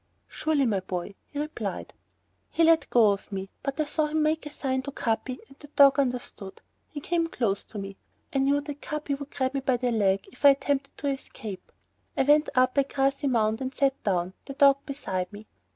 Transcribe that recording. "Surely, my boy," he replied. He let go of me, but I saw him make a sign to Capi and the dog understood. He came close to me. I knew that Capi would grab me by the leg if I attempted to escape. I went up a high grassy mound and sat down, the dog beside me.